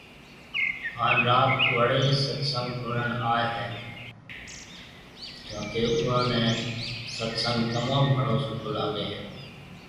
هان رات بڙي ست سنگ ۿڻڻ آوي هي ڪيونڪي اوئون ني ست سنگ تموم گھڻو سٺو لاگي هي